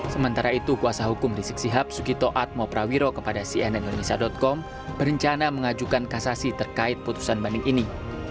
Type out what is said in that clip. sementara itu kuasa hukum rizik sihab sugito atmo prawiro kepada cnn indonesia com berencana mengajukan kasasi terkait putusan banding ini